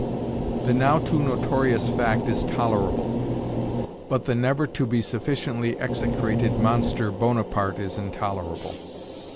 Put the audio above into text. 'The now too notorious fact' is tolerable; but 'the never to be sufficiently execrated monster Bonaparte' is intolerable.